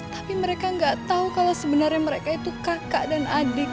tapi mereka nggak tahu kalau sebenarnya mereka itu kakak dan adik